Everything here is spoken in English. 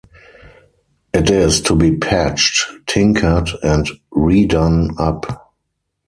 It is to be patched, tinkered, and redone up.